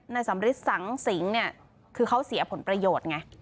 สำริทสังสิงเนี่ยคือเขาเสียผลประโยชน์ไง